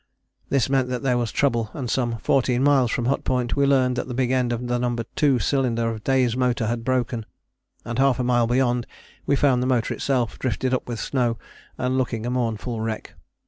This meant that there was trouble, and some 14 miles from Hut Point we learned that the big end of the No. 2 cylinder of Day's motor had broken, and half a mile beyond we found the motor itself, drifted up with snow, and looking a mournful wreck.